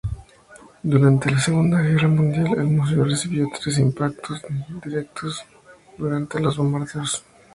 Durante la Segunda Guerra Mundial, el museo recibió tres impactos directos durante los bombardeos.